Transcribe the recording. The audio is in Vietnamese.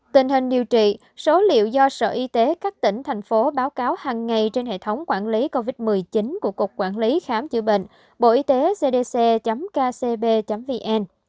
tình hình điều trị số liệu do sở y tế các tỉnh thành phố báo cáo hằng ngày trên hệ thống quản lý covid một mươi chín của cục quản lý khám chữa bệnh bộ y tế cdc kcb vn